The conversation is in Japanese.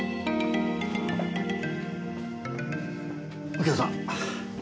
右京さん。